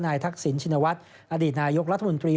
นายทักศิลป์ชินวัต้อดีตนายกรรทมนตรี